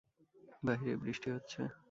বাহিরে বৃষ্টি হচ্ছে।